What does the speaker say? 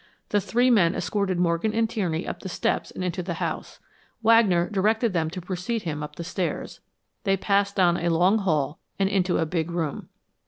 The three men escorted Morgan and Tierney up the steps and into the house. Wagner then directed them to precede him up the stairs. They passed down a long hall and into a big room.